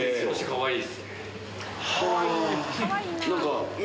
かわいい！